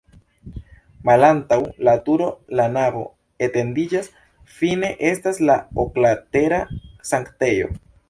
Malantaŭ la turo la navo etendiĝas, fine estas la oklatera sanktejo.